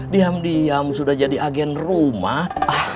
diam diam sudah jadi agen rumah